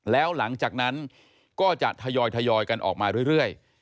แล้วหลังจากนั้นก็จะทยอยกันออกมาเรื่อย